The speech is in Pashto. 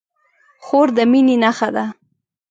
خور د مینې نښه ده.